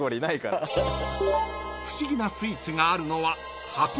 ［不思議なスイーツがあるのは］